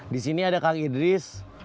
di sini ada kang idris